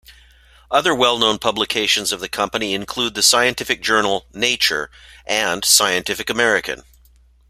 Other well-known publications of the company include the scientific journal "Nature" and "Scientific American".